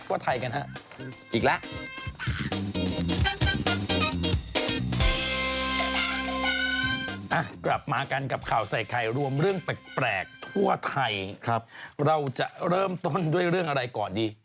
กลับมากันกับข่าวใส่ไข่รวมเรื่องแปลกทั่วไทยครับเราจะเริ่มต้นด้วยเรื่องอะไรก่อนดี